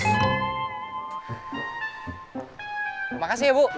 terima kasih ya bu